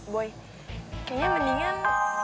boy kayaknya mendingan